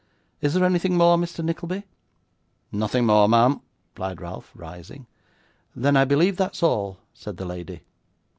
Is there anything more, Mr. Nickleby?' 'Nothing more, ma'am,' replied Ralph, rising. 'Then I believe that's all,' said the lady.